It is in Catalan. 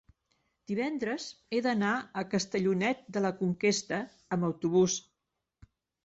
Divendres he d'anar a Castellonet de la Conquesta amb autobús.